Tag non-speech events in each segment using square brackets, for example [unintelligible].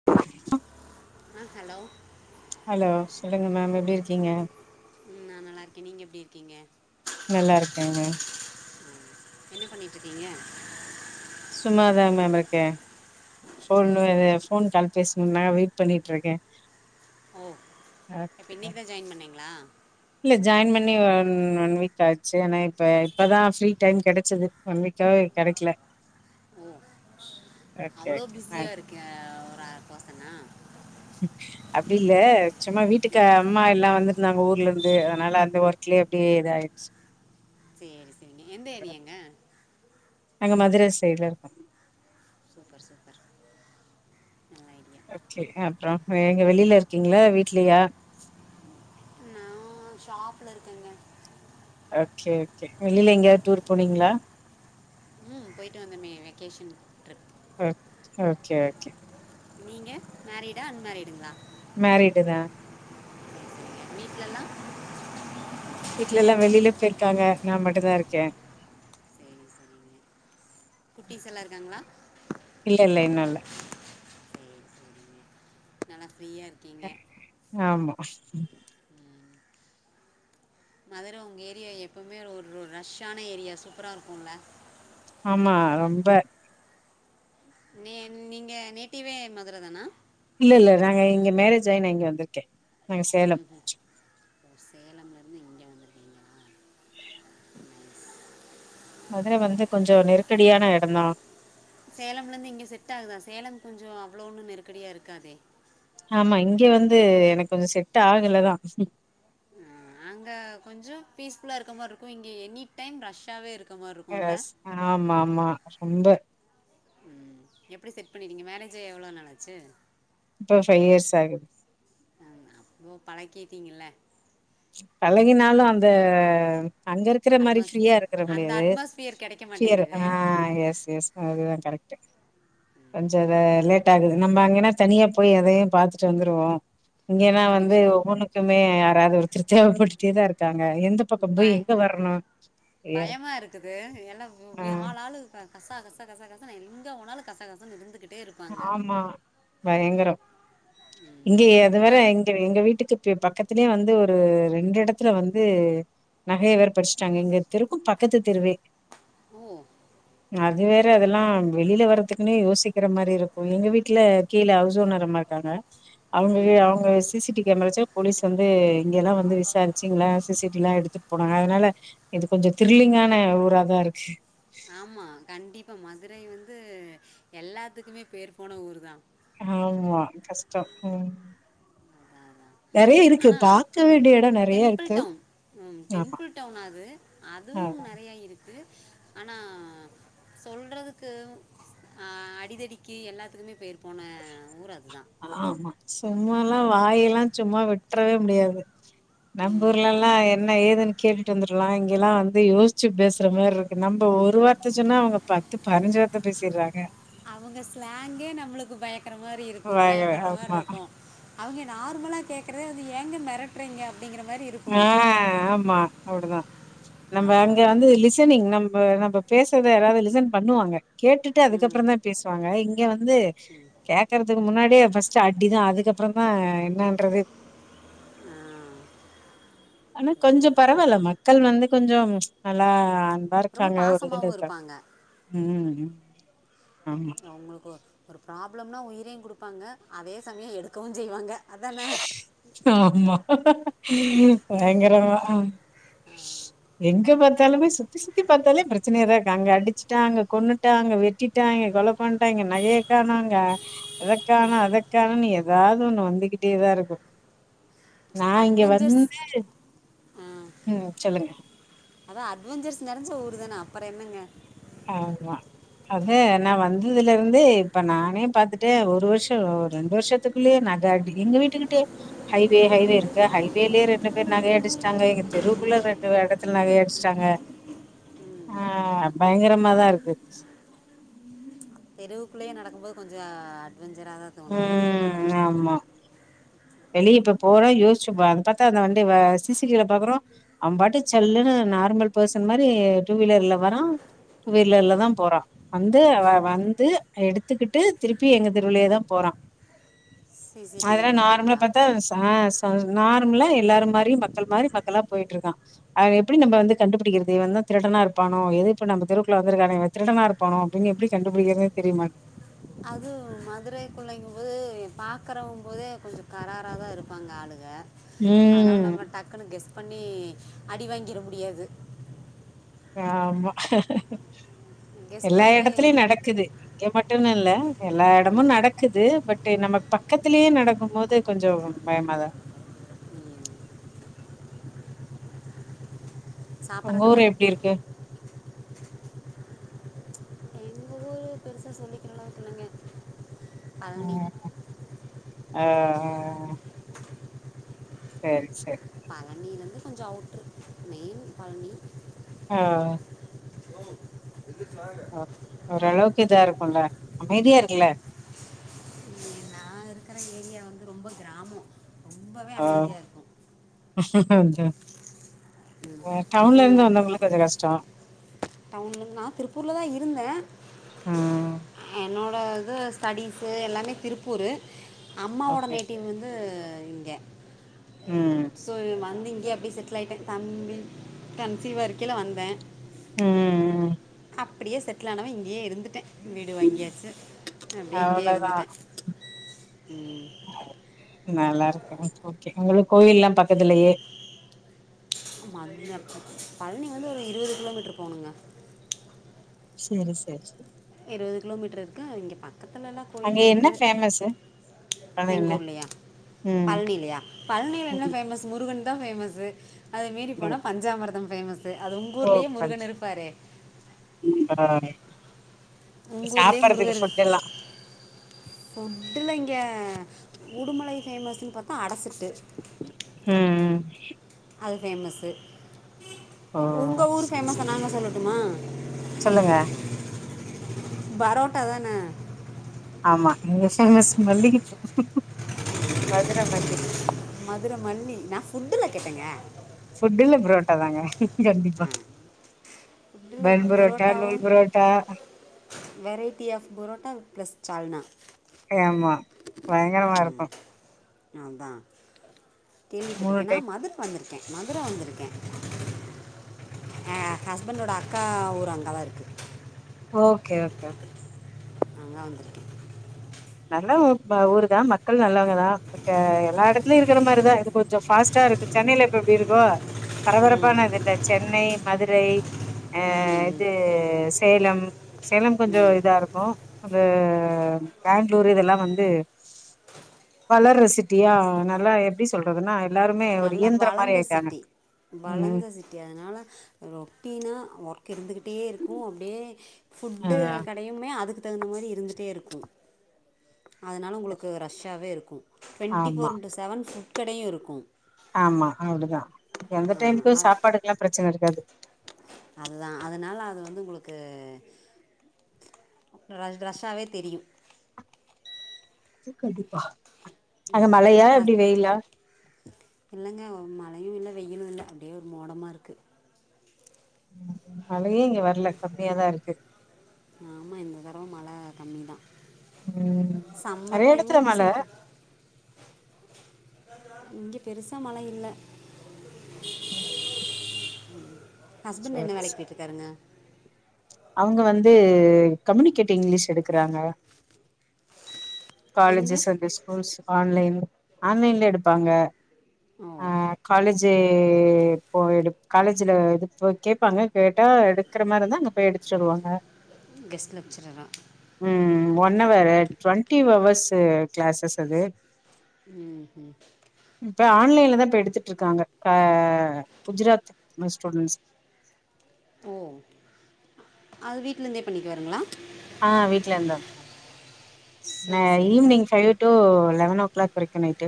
[inaudible] அ hello hello சொல்லுங்க ma'am எப்டி இருக்கீங்க ம் நா நல்லா இருக்கே நீங்க எப்டி இருக்கீங்க நல்லாருக்கேங்க ம் என்ன பண்ணிட்ருக்கீங்க சும்மாதா மேம் இருக்கே ஃபோன் சரி வேற சரி ஃபோன் கால் பேஸ்ணும்னா வெயிட் பண்ணிட்ருக்கே ஓ அப்ப இன்னைக்கு தா ஜாய்ன் பண்ணிங்ளா இல்ல ஜாயின் பண்ணி ஒன் ஒன் வீக் ஆச்சு ஆனா இப்ப இப்பதா ஃப்ரீ டைம் கெடச்சது ஒன் வீக்காவே கெடைக்ல ம் அவ்வளோ ஓகே பிஸியா மேம் இருக்கே ஒரு அ பெர்சனா அப்டி இல்ல சும்மா வீட்டுக்கா ம் அம்மா எல்லா வந்திருந்தாங்க ஊர்லருந்து அதனால அந்த ஒர்க்லே அப்டியே இதாய்ருச்சு சேரி சேரிங்க எந்த ஏரியாங்க நாங்க மதுரை சைட்ல இருக்கோ சூப்பர் சூப்பர் நல்ல ஐடியா ஓகே ஆ அப்றோ அ எங்க வெளில இருக்கீங்ளா வீட்லயா நா ஷாப்ல இருக்கேங்க ஓகே ஓகே வெளில எங்கயாது டூர் போனீங்ளா ம் போயிட்டு வந்தமே வெக்கேஷனுக்கு ஓ ஓகே ஓகே நீங்க மேரிடா அன்மேரிடுங்ளா மேரிடு தா வீட்லலா வீட்ல எல்லா வெளில போயிருக்காங்க நா மட்டுதா இருக்கே சேரி சேரிங்க குட்டிஸெல்லா இருக்காங்ளா இல்ல இல்ல இன்னு இல்ல சரி சரிங்க நல்லா ஃப்ரீயா இருக் ஆமா மதுர ஒங்க ஏரியா எப்பமே ஒர்ரொரு ரஷ்ஷான ஏரியா சூப்பரா இருக்குல ஆமா ரொம்ப நீ நீங்க நேட்டிவே மதுர தானா இல்ல இல்ல நாங்க இங்க மேரேஜ் ஆயி நா இங்க வந்திருக்கே நாங்க சேலம் சேலம்லருந்து இங்க வந்துருக்கீங்ளா மதுர வந்து கொஞ்ச நெருக்கடியான எடந்தா சேலம்லருந்து இங்க செட் ஆகுதா சேலம் கொஞ்ச அவ்ளோ ஒன்னு நெருக்கடியா இருக்காதே ஆமா இங்க வந்து எனக்கு கொஞ்ச செட் ஆகலதா அங்க கொஞ்ச பீஸ் ஃபுல்லா இருக்குற மாரி இருக்கு இங்க எனி டைம் ரஷ்ஷாவே இருக் எஸ் ஆமாம்மா ரொம்ப ம் எப்டி செட் பண்ணிர்றீங்க மேரேஜ் ஆயி எவ்ளோ நல்லாச்சு இப்ப ஃபைவ் இயர்ஸ் ஆகுது ஆமா ஓ பழக்கிட்டீங்கல்ல பழகினாலு அந்த அங்க இருக்கற மாரி அட்மாஸ் ப்ரீயா இருக்கற அந்த முடியாது அட்மாஸ்பியர் கிடைக்க பியர் அ மாட்டேங்குது எஸ் எஸ் அதுதான் கரெக்ட்டு கொஞ்சோ இத லேட்டாகுது நம்ம அங்கன்ன தனியா போய் அதயும் பாத்துட்டு வந்துருவோ இங்கன்னா இங்கே வந்து வெளி ஒவ்வொண்ணுக்குமே யாராவது ஒருத்தர் தேவைப்பட்டுடேதா இரு க்காங்க எந்த பக்கம் போய் பய எங்க வரணு ஏ பயமா இருக்குது எல்லா ஆ ஆள் ஆளு கசா கசா கச கசனு எங்க போனாலு கச கசனு இருந்துகிட்டே இரு ஆமா பயங்கரோ இங்க அதுவர பஸ் எங்க வீட்டுக்கு ப பக்கத்துலயே வந்து ஒரு ரெண்டு எடத்துல வந்து நகைய வேற பறிச்சுட்டாங்க எங்க தெருக்கு பக்கத்து தெருவே ஓ அது வேற அதெல்லா வெளில வர்றதுக்குனே யோசிக்க ற மாரி இருக்கு எங்க வீட்ல கீழ ஹவுஸ் ஓனர் அம்மா இருக்காங்க அவுங்க ம் அவுங்க சி சி டி கேமரா வெச்சா போலீஸ் வந்து இங்க எல்லா வந்து விசாரிச்சி இங்களா சி சி டி எல்லா எடுத்துப் போனாங்க அதனால இது கொஞ்சோ த்ரில்லிங்கான ஊராதா இருக்கு ஆமா கண்டிப்பா மதுரை வந்து எல்லாத்துக்குமே பேர் போன ஊருதா ஆமா கஷ்டோ ம் அ நெறைய இருக்கு ஆனா பாக்க வேண்டிய எடோ நெறைய டெம்பிள் இருக்கு டவுன் ம் ஆமா டெம்பிள் டவுனா அது அதுவும் அதா நெறையா இருக்கு ஆனா சொல்றதுக்கு ஆ அடிதடிக்கு எல்லாத்துக்குமே பேர் போன ஊர் அதுதா ஆமா சும்மா எல்லா வாயெல்லா சும்மா விட்டறவே முடியாது நம்பு ம் ஊர்லல்லா என்ன ஏதுன்னு கேட்டுட்டு வந்துர்லா இங்கல்லா வந்து யோசிச்சு பேசற மாரி இருக்கு நம்ம ஒரு வார்த்த சொன்னா அவுங்க ப த்து பதினஞ்சு வார்த்த பேசிர்றாங்க அவுங்க ஸ்லாங்கே நம்மளுக்கு பயக்கற மாரி இருக்கு பயங்கர பயப்படற மாரி ஆமா இருக்கு அவுங்க நார்மலா கேக்கறதே வந்து ஏங்க மிரட்டுறீங்க அப்டிங்கற மாரி இருக்கு ஆ ஆமா அப்டிதா நம்ம அதான் அங்க அதான் வந்து லிஸ் த்து நீங் நம்ப நம்ப பேசறத யாராவது லிஸன் பண்ணுவாங்க கேட்டுட்டு ம் அதுக்கப்பறந்தா பேசுவாங்க இங்க வந்து கேக்கறதுக்கு முன்னாடியே ஃபர்ஸ்ட் அடிதா அதுக்கப்பறந்தா என்னான்றது ஆ. ஆனா கொஞ்சம் பரவால மக்கள் வந்து கொஞ்சோ நல்லா நல்லா ரொம்ப இருக்காங்க ஒரு இதுல பாசமாகவும் இருக்காங்க இருப்பாங்க ம் ஆமா அவுங்களுக்கு ஒரு ப்ராப்ளம்னா உயிரையும் குடுப்பாங்க அதே சமயோ எடுக்கவுன் செய்வாங்க அதானே ஆமா பயங்கரமா அ எங்க பாத்தாலுமே சுத்தி சுத்தி பாத்தாலே பிரச்சனையாதா இருக்கு அங்க அடிச்சிட்டாங்க கொன்னு ட்டாங்க வெட்டிட்டாங்க கொல பண்ட்டாங்க நகையை கானாங்க அதக்கானோ அதக்கானோனு எதாவது ஒண்ணு வந்துகிட்டேதா இருக்கு நா இங்க வந்து அட்வென்ச்சர்ஸ் ம் சொல்லுங்க அதா அட்வஞ்சர்ஸ் நெறஞ்ச ஊருதான அப்றோ என்னங்க ஆமா அத நா வந்ததுல இருந்தே இப்ப நானே பாத்துட்ட ஒரு வருஷோ ரெண்டு வருஷத்து ள்ளே நகாடி எங்க வீட்டுக்கிட்டே ஹைவே ஹைவே இருக்கு ஹைவேலயே ரெண்டு பேர் நகைய அடிச்சுட்டாங்க எங்க தெருக்குள்ள ரெண்டு இடத்துல நகைய அடிச்சட்டாங்க [inaudible] அ பயங்கரமாதா இருக்கு தெருவுக்குள்ளேயே நடக்கும்போது கொஞ்சம் அட்வெஞ்சரா தான் தோணும் ம் ஆமா வெளியிப்ப போறோம் யோசிச்சுப் பார் அந்த வண்டி சிசிடிவீல பாக்குறோம் அவன் பாட்டு சல்லுனு நார்மல் பர்சன் மாதிரி டூ வீலர்ல வரான் டூவீரல்லதான் போறான் வந்து அவ வந்து எடுத்துக்கிட்டு திருப்பி எங்க தெருவுலயேதா போறான் அதெல்லா சிசிடிவியில் நார்மல பார்த்தீங்களா சா ச நார்மலா எல்லாரும் மாறியும் மக்கள் மாறி மக்களா போயிட்டு இருக்கான் அவன் எப்படி நம்ம வந்து கண்டுபிடிக்கிறது இவன் தான் திருடனா இருப்பானோ எது இப்ப நம்ம தெருக்குல வந்தக்கானே இவன் திருடான இருப்பானோ அப்படின் எப்படி கண்டுபிடிகறது தெரியமாட் அது மதுரைக்கு குள்ளைங்க போது பார்கறம் போதே கொஞ்சம் கரரா தான் இருப்பாங்க ஆளுக அதனால ம் நம்ம டக்குன்னு கெஸ் பண்ணி அடி வாங்கிற முடியாது ஆமா கெஸ் எல்லா பண்ணி என்ன இடத்துலயும் நடக்குது இங்க மட்டுன்னு இல்ல எல்லா இடமும் ம், நடக்குது பட் டு நம்ம பக்கத்திலயே நடக்கும் போது கொஞ்ச பயமாதா உங்க ஊர் சாப்பிட்றதுக்கெல்லாம் எப்படி இருக்கு எங்க ஊரு பெருசா சொல்லிக்கிற அளவுக்கு இல்லங்க பழனி ம் ஆ சேரி சேரி பழனியிலருந்து கொஞ்சம் அவுட்ரு மெயின் பழனி ம் ம்மோவ் எந்திரிச்சு வாங்க ஓ ஓரளவுக்கு இதா இருக்கும்ல அமைதியா இருக்குல்ல நா இருக்குற ஏரியா வந்து ரொம்ப கிராமம் ரொம்பவே அமைதியா இருக்கும் அ டவுன்ல இருந்து வந்தவங்களுக்கு கொஞ்ச கஷ்டம் டவுன்ல நா திருப்பூரல தான் இருந்தேன் ம் என்னோட இது ஸ்டடிஸ் எல்லாமே திருப்பூரு அம்மாவோட ஓகே. நேட்டிவ் வந்து இங்க ம் சோ வந்து இங்கேயே அப்பிடியே செட்டில் ஆயிட்டேன் தம்பி கன்ஸ்யூவா இருக்கைல வந்தேன் ம் அப்டியே செட்டில் ஆனவ இங்கயே இருந்துட்டேன் வீடு ம் வாங்கியாச்சு அப்படியே இங்கேயே அவ்ளோதான். இருந்துட்டேன் நல்லா இருக்கும் ஓகே உங்களுக்கு கோயில் எல்லாம் பக்கத்துலயே [unintelligible] பழனி வந்து ஒரு இருவது கிலோமீட்டரு போகணுங்க சேரி சேரி சேரி இருபது கிலோமீட்டர் இருக்கும் இங்க பக்கத்துலதான் அங்க என்ன ஃபேமஸ்ஸூ எங்க ஊர்லயா ம் பழனிலயா பழனிய என்ன ம் ஃபேமஸ் முருகன் தான் ஃபேமஸ்ஸூ அத மீறி ம். போனா பஞ்சாமரதம் ஃபேமஸ் அது உங்கள் ஓ ஊர்லேயே முருகன் இருப்பாறே ஆ உங்க ஊர்லேயே சாப்பறதுக்கு முருகர் ஃபுட் எல்லா ஃபுட்டுல இங்க உடுமலை ஃபேமஸ்ன்னு பாத்தோ அடசிட்டு ம் அது ஃபேமஸீ ஓ உங்க ஊர் ஃபேமஸ நாங்க சொல்லட்டுமா சொல்லுங்க பரோட்டா தானே ஆமா இங்க ஃபேமஸ் மல்லிகை மதுர மல்லி மதுர மல்லி நா ஃபுட்டுல கேட்டேங்க ஃபுட்டுல்ல புரோட்டா தாங்க கண்டிப்பா ஃபுட்டில் பண் பரோட்டா நூல் பரோட்டாவும் parotta variety of parotta plus சால்னா ஆமா பயங்கரமா இருக்கு நான்தா மூணு கேள்விப்பட்டிருக்கே நா டைப் மதுர வந்திருக்கே மதுர வந்திருக்கே எ ஹஸ்பண்டோட அக்கா ஊரு அங்க தா இருக்கு ஓகே ஓகே ஓகே நால்லா வந்துருக்கே நல்ல ஊரு தா மக்கள் நல்லவங்க தா பட் எல்லா எடத்துலயு இருக்கிற மாரிதான் இது கொஞ்ச ஃபாஸ்ட்டா இருக்கு சென்னையில இப்ப எப்டி இருக்கோ பரபரப்பான இது இல்ல சென்னை மதுரை அ ம் இது சேலம் சேலம் கொஞ்சொ இதா இருக்கு இது பேங்ளூர் இதெல்லா வந்து வளர்ற சிட்டியா நல்லா எப்டி சொல்றதுன்னா எல்லாருமே ஒரு நல்லா இயந்திரம் மாரி ஆயிட்டாங்க ம் எதுனாலு ரொட்டீனா ஒர்க் இருந்துக்கிட்டே இருக்கும் அப்டியே ஃபுட்டு அதா க டையுமே அதுக்கு தகுந்த மாறி இருந்துட்டே இருக்கும் அதனால உங்களுக்கு ரஷ்ஷாவே இருக்கும் ட்வெண்ட்டி ஆமா ஃபோர் இன்டு செவன் ஃபுட்கடயு இருக்கும் ஆமா அப்டிதா எந்த ஆ, டைம்க்கு அ- சாப்பாடுக்கிலா பிரச்சன இருக்காது அதுதா அதனால அது வந்து உங்களுக்கு ரஷ் ரஷ்ஷாவே தெரியும் கண்டிப்பா அங்க மழையா எப்டி ஹஸ் வெயிலா இல்லங்க ஒ மழையு இல்ல வெயிலு இல்ல அப்டியே ஒரு மோடமா இருக்கு மழையே இங்க வர்ல கம்மியாதா இருக்கு ஆமா இந்த தடவ மழ கம்மிதா ம் சம்மர் நெறைய எடத்துல டைமு மழ சீக்கி இங்க பெருசா மழ இல்ல ஹஸ்பண்ட் சேரி என்ன வேலைக்கு போயட்டுருக்காங்க அவுங்க வந்து கம்யூனிகேட் இங்கிலீஷ் எடுக்கறாங்க எங்கே காலேஜஸ் அண்ட் ஸ்கூல்ஸ் ஆன்லைன் ஆன்லைன்லே எடுப்பாங்க ஓ அ காலேஜ் போய் எடு காலேஜ்ல இதுப்ப கேப்பாங்க கேட்டா எடுக்கற மாரிந்தா அங்க போய் எடுத்துட்டு வருவாங்க கெஸ்ட் லெக்சரரா ம் one hour twenty hours classes அது ம் ம் இப்ப ஆன்லைன்ல தா இப்ப எடுத்துட்டு இருக்காங்க குஜராத் மாரி ஸ்டூடன்ஸ் ஓ அது வீட்லேருந்தே பண்ணிக்குவாருங்களா ஆ வீட்லருந்து ந சரி சரிங்க evening five to eleven o'clock வரைக்கு நைட்டு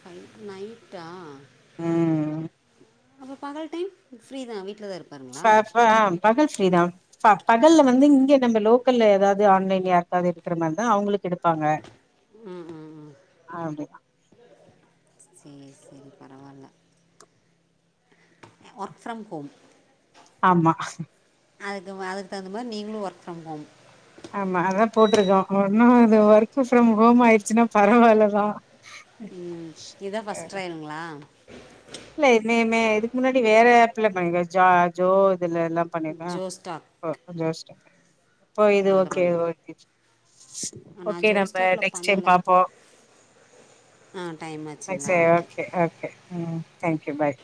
ஃபைவ் டூ நைட்டா ஆ அப்போ பகல் டைம் ஃப்ரீ தா வீட்ல தாருக்கு சர்ஃபாம் பகல் ஸ்ரீராம் பகல்ல வந்து இங்க நம்ப லோக் ல்ல எதாவது ஆன்லைன் யார்க்காவது எடுக்க மாதிரி தா அவங்களுக்கு எடுக் ம் ம் ம் அப்டி சேரி சேரி பரவால்ல ஒர்க் ஃப்ரம் ஹோம் ஆமா அதுக்கு த தகுந்தா மாரி நீங்களு ஒர்க் ஃப்ரம் ஹோம் ஆமா அதா போட்ருக்கோ ஒன்னு இது ஒர்க் ஃப்ரம் ஹோம் ஆயிடுச்சுன்னா பரவால்லதா ம் இதா ஃபர்ஸ்ட் ட்ரையல்ங்களா இல்ல நேமே இதுக்கு முன்னாடி வேற அப்ல பண்ண ஜாப் ஜோ இதுலெல்ல பண்ணிருக்கே ஜோஸ்டாக் இப்ப கொஞ்சமே ஸ்டப் போ இது அதில் ஓகே பண்ணேன் ஓகேட்சி ஓகே நான் நம்ம ஜோஸ்டாக்கில் நெக்ஸ்ட் டைம் பண்ணலை பாப்போ ஆ டைம் அ ஆச்சுங்களா செரி ஓகே ஓகே ம் தேங்க் யூ பாய்